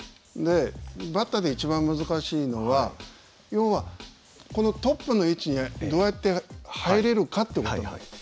バッターで一番難しいのは要はこのトップの位置にどうやって入れるかって事なんです。